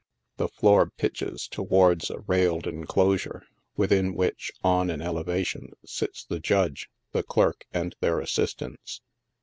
The floor pitches towards a railed enclosure, within which, on an elevation, sits the Judge, the clerk, and their assistants.